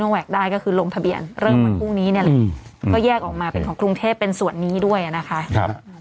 ว่าแยกออกมาเป็นของกรุงเทพเป็นส่วนนี้ด้วยนะคะครับ